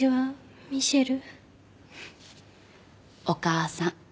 お母さん。